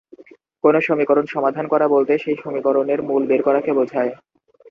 কোন সমীকরণ সমাধান করা বলতে সেই সমীকরণের মূল বের করাকে বোঝায়।